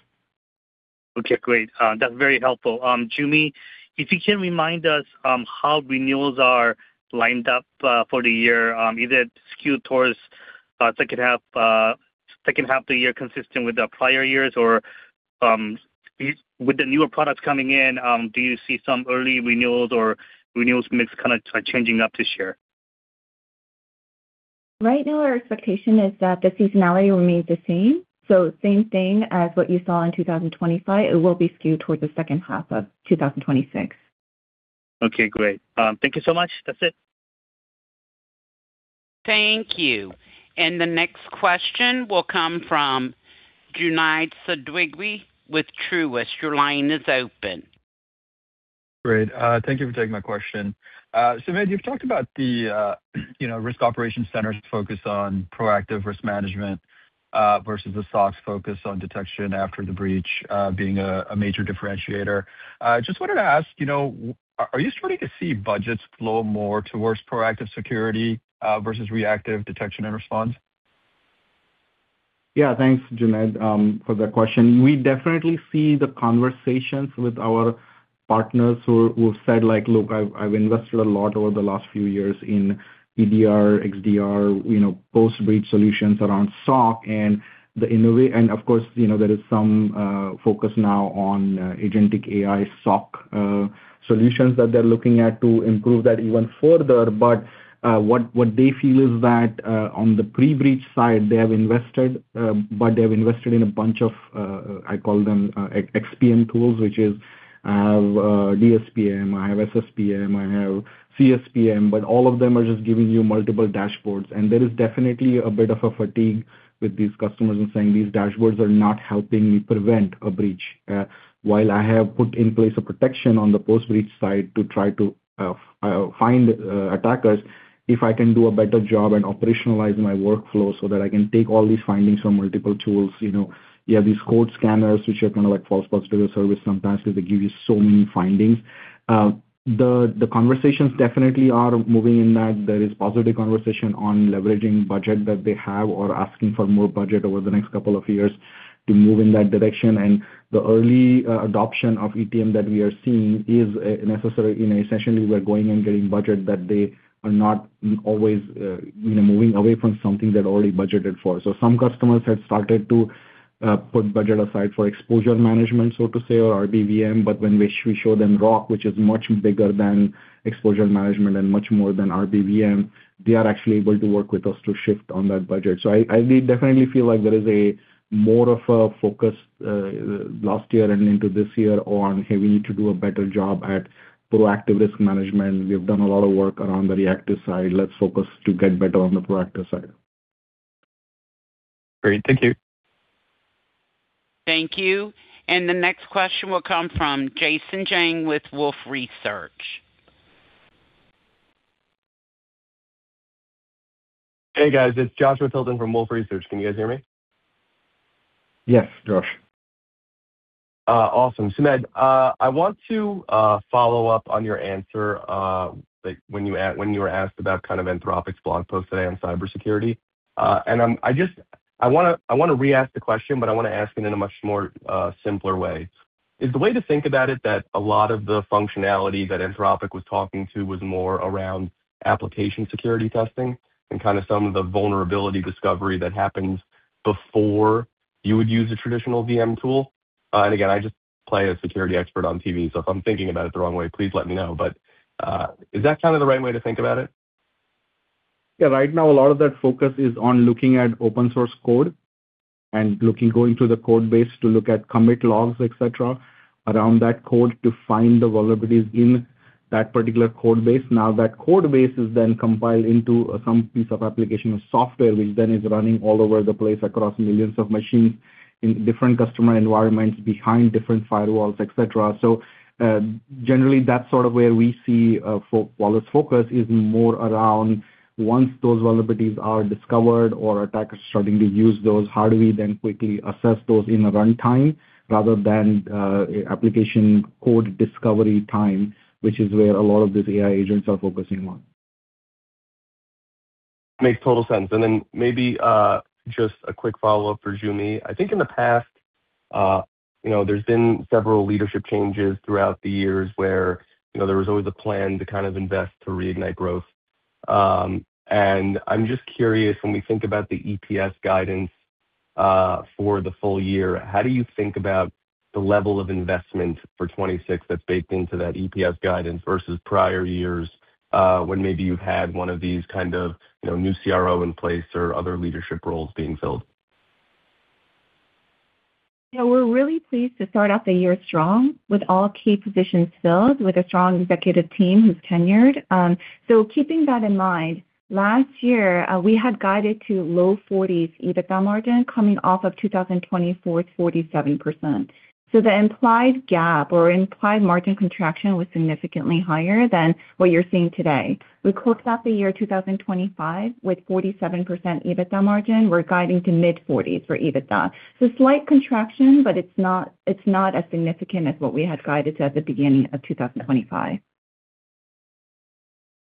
Okay, great. That's very helpful. Joo Mi, if you can remind us how renewals are lined up for the year, either skewed towards second half of the year, consistent with the prior years? Or, with the newer products coming in, do you see some early renewals or renewals mix kind of changing up this year? Right now, our expectation is that the seasonality will remain the same. Same thing as what you saw in 2025. It will be skewed towards the second half of 2026. Okay, great. Thank you so much. That's it. Thank you. The next question will come from Junaid Siddiqui with Truist. Your line is open. Great. Thank you for taking my question. Sumedh, you've talked about the, you know, risk operations center's focus on proactive risk management, versus the SOC's focus on detection after the breach, being a major differentiator. Just wanted to ask, you know, are you starting to see budgets flow more towards proactive security, versus reactive detection and response? Yeah, thanks, Junaid, for that question. We definitely see the conversations with our partners who have said like, "Look, I've invested a lot over the last few years in EDR, XDR, you know, post-breach solutions around SOC." And of course, you know, there is some focus now on agentic AI SOC solutions that they're looking at to improve that even further. But what they feel is that on the pre-breach side, they have invested, but they have invested in a bunch of I call them XPM tools, which is I have DSPM, I have SSPM, I have CSPM, but all of them are just giving you multiple dashboards. And there is definitely a bit of a fatigue with these customers and saying, "These dashboards are not helping me prevent a breach. While I have put in place a protection on the post-breach side to try to find attackers, if I can do a better job and operationalize my workflow so that I can take all these findings from multiple tools, you know. You have these code scanners, which are kind of like false positive service sometimes because they give you so many findings. The conversations definitely are moving in that there is positive conversation on leveraging budget that they have or asking for more budget over the next couple of years to move in that direction. And the early adoption of ETM that we are seeing is a necessary, you know, essentially, we're going and getting budget that they are not always, you know, moving away from something they're already budgeted for. So some customers have started to put budget aside for exposure management, so to say, or RBVM. But when we show them ROC, which is much bigger than exposure management and much more than RBVM, they are actually able to work with us to shift on that budget. So I definitely feel like there is more of a focus last year and into this year on, "Hey, we need to do a better job at proactive risk management. We've done a lot of work around the reactive side. Let's focus to get better on the proactive side. Great. Thank you. Thank you. The next question will come from Jason Jang with Wolfe Research. Hey, guys, it's Joshua Tilton from Wolfe Research. Can you guys hear me? Yes, Josh. Awesome. Sumedh, I want to follow up on your answer, like, when you were asked about kind of Anthropic's blog post today on cybersecurity. And I wanna re-ask the question, but I wanna ask it in a much more simpler way. Is the way to think about it that a lot of the functionality that Anthropic was talking to was more around application security testing and kind of some of the vulnerability discovery that happens before you would use a traditional VM tool? And again, I just play a security expert on TV, so if I'm thinking about it the wrong way, please let me know. But is that kind of the right way to think about it? Yeah. Right now, a lot of that focus is on looking at open source code and looking, going through the code base to look at commit logs, et cetera, around that code to find the vulnerabilities in that particular code base. Now, that code base is then compiled into some piece of application of software, which then is running all over the place across millions of machines in different customer environments, behind different firewalls, et cetera. So, generally, that's sort of where we see, while its focus is more around once those vulnerabilities are discovered or attackers starting to use those, how do we then quickly assess those in a runtime rather than application code discovery time, which is where a lot of these AI agents are focusing on. Makes total sense. And then maybe, just a quick follow-up for Joo Mi. I think in the past, you know, there's been several leadership changes throughout the years where, you know, there was always a plan to kind of invest to reignite growth. And I'm just curious, when we think about the EPS guidance, for the full year, how do you think about the level of investment for 2026 that's baked into that EPS guidance versus prior years, when maybe you've had one of these kind of, you know, new CRO in place or other leadership roles being filled? Yeah, we're really pleased to start off the year strong with all key positions filled, with a strong executive team who's tenured. So keeping that in mind, last year, we had guided to low 40s EBITDA margin coming off of 2024, 47%. So the implied gap or implied margin contraction was significantly higher than what you're seeing today. We closed out the year 2025 with 47% EBITDA margin. We're guiding to mid-40s for EBITDA. So slight contraction, but it's not, it's not as significant as what we had guided at the beginning of 2025.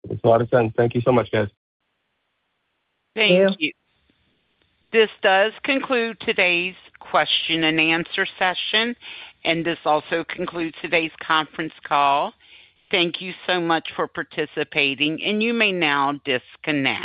Makes a lot of sense. Thank you so much, guys. Thank you. Thank you. This does conclude today's question and answer session, and this also concludes today's conference call. Thank you so much for participating, and you may now disconnect.